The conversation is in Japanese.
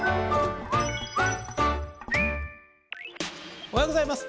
おはようございます。